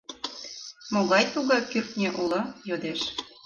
«Могай-тугай кӱртньӧ уло?» — йодеш.